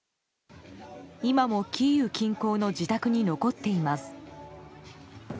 今もキーウ近郊の自宅に残っています。